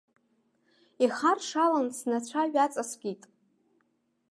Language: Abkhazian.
Ихаршалан снацәа ҩаҵаскит.